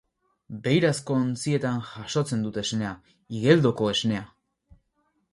Beirazko ontzietan jasotzen dut esnea, Igeldoko Esnea